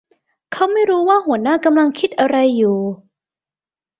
เขาไม่รู้ว่าหัวหน้ากำลังคิดอะไรอยู่